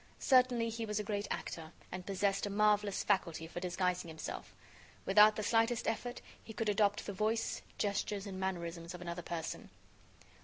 Certainly, he was a great actor, and possessed a marvelous faculty for disguising himself. Without the slightest effort, he could adopt the voice, gestures and mannerisms of another person.